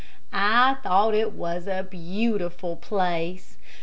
I thought it was a beautiful place.